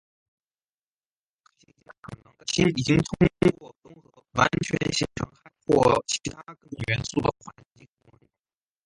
氦行星可能在氢已经通过核融合完全形成氦或其它更重元素的环境中生成。